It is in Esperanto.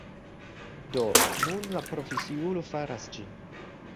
Do, nun la profesiulo faras ĝin